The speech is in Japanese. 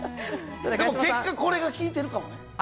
結果これが効いてるかも。